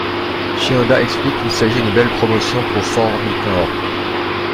Shinoda explique qu'il s'agit d'une belle promotion pour Fort Minor.